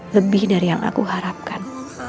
lebih dari yang aku harapkan